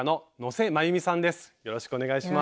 よろしくお願いします。